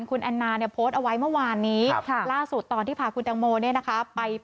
คุณแอนนาโพสต์เอาไว้เมื่อวานได